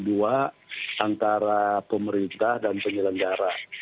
komisi dua antara pemerintah dan penyelenggara